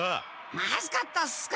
まずかったっすか？